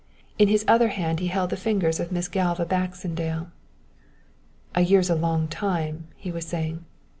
In his other hand he held the fingers of Miss Galva Baxendale. "A year's a long time," he was saying.